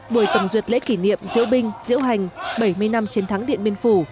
buổi tổng duyệt lễ kỷ niệm diễu binh diễu hành bảy mươi năm chiến thắng điện biên phủ